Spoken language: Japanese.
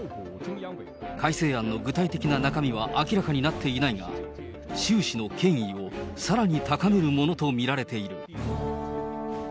改正案の具体的な中身は明らかになっていないが、習氏の権威をさらに高めるものと見られている。